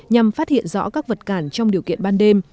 nhằm phát hiện rõ các vật cản trong điều kiện ban đêm